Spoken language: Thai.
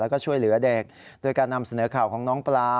แล้วก็ช่วยเหลือเด็กโดยการนำเสนอข่าวของน้องปลา